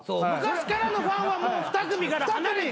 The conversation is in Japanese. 昔からのファンはもう２組から離れて。